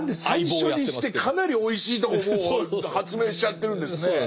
最初にしてかなりおいしいとこもう発明しちゃってるんですね。